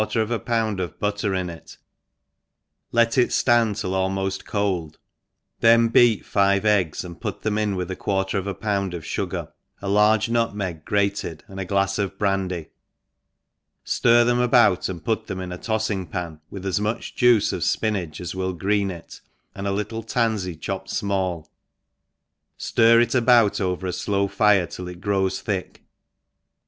N #f u^ 178 THE EXPERIENCED of a pound of butter in it, let it ftand till a1mo(f cold, then beat five eggs, and put them in with a quarter of a pound of fugar,' a laree nutoaeg grated, and a glafs of brandy^ itir them about and put them in a tofling pan, with as much Juice of fpinage as will green it, and a little tanfey chopped fmall, ftir it about over a flow fire till it grows thick.